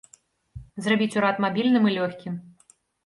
Зрабіць урад мабільным і лёгкім.